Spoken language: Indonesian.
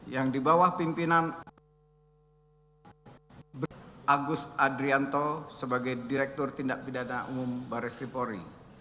yang di bawah pimpinan agus adrianto sebagai direktur tindak pidana umum baris krimpori